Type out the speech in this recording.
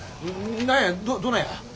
何やどないや。